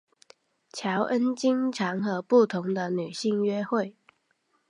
乔恩经常和不同的女性约会。